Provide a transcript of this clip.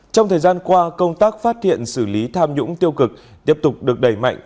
trong thời gian qua công tác phát hiện xử lý tham nhũng tiêu cực tiếp tục được đẩy mạnh